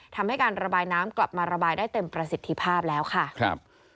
ทำให้การระบายน้ำกลับมาระบายได้เต็มประสิทธิภาพแล้วค่ะครับ